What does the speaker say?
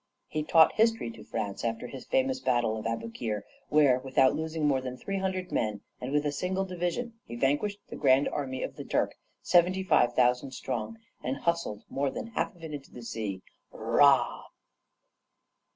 He taught history to France after his famous battle of Aboukir, where, without losing more than three hundred men, and with a single division, he vanquished the grand army of the Turk, seventy five thousand strong, and hustled more than half of it into the sea, r r rah!